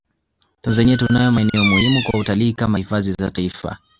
Tanzania tunayo maeneo muhimu kwa utalii kama hifadhi za taifa